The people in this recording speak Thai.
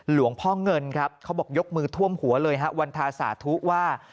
หลวงพ่อเงินครับเขาบอกยกมือท่วมหัวเลยฮะวันทาสาธุว่า